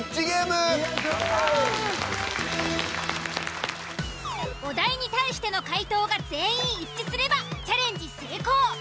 お題に対しての回答が全員一致すればチャレンジ成功。